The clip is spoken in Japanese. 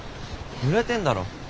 ぬれてんだろ。